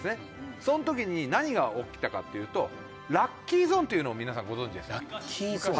その時に何が起きたかっていうとラッキーゾーンっていうのを皆さんご存じですか？